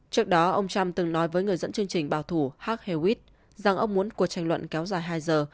trước đó ông trump từng nói với người dẫn chương trình bảo thủ h h witt rằng ông muốn cuộc tranh luận kéo dài hai giờ